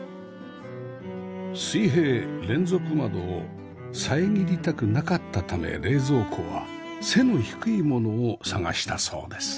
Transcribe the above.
水平連続窓を遮りたくなかったため冷蔵庫は背の低いものを探したそうです